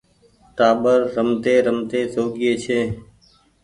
ٽآٻر رمتي رمتي سوگيئي ڇي۔